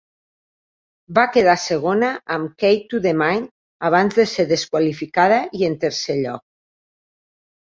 Va quedar segona amb Key to the Mint abans de ser desqualificada i en tercer lloc.